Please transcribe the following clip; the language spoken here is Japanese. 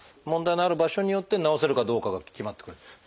問題のある場所によって治せるかどうかが決まってくる？